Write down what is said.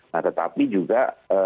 nah tetapi juga